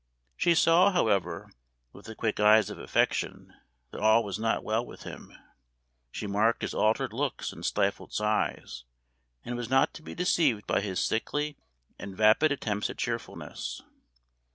She saw, however, with the quick eyes of affection, that all was not well with him. She marked his altered looks and stifled sighs, and was not to be deceived by his sickly and vapid attempts at cheerfulness.